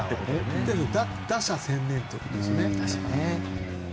打者専念ということですよね。